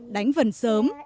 đánh vần sớm